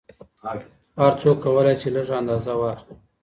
خو هر څوک کولای شي لږ اندازه واخلي.